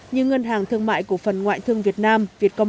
như ngân hàng thương mại cổ phần ngoại thương việt nam vietcom